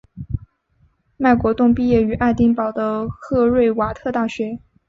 麦国栋毕业于爱丁堡的赫瑞瓦特大学。